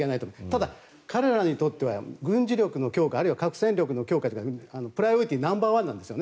ただ、彼らにとっては軍事力の強化、核戦力の強化がプライオリティーナンバーワンなんです。